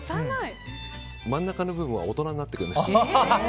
真ん中の部分は大人になっていくんです。